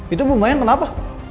itu bumayang kenapa